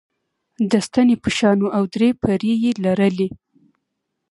د ستنې په شان وه او درې پرې یي لرلې.